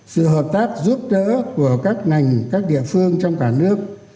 sự hợp tác giúp đỡ của các ngành các địa phương trong cả nước